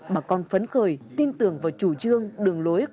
bà con phấn khởi tin tưởng vào chủ trương đường lối